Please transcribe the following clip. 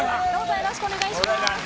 よろしくお願いします。